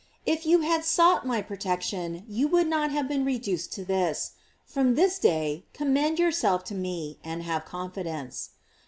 If you had sought my protection, you would not have been reduced to this; from this day commend yourself to me, and have confidence."